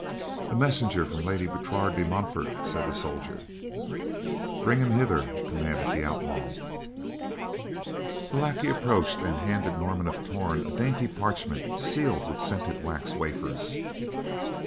"A messenger from Lady Bertrade de Montfort," said the soldier. "Bring him hither," commanded the outlaw. The lackey approached and handed Norman of Torn a dainty parchment sealed with scented wax wafers.